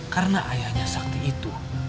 karena ayahnya sakti itu